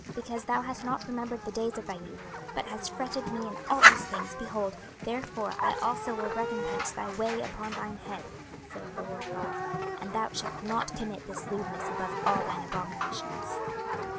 26:016:043 Because thou hast not remembered the days of thy youth, but hast fretted me in all these things; behold, therefore I also will recompense thy way upon thine head, saith the Lord GOD: and thou shalt not commit this lewdness above all thine abominations.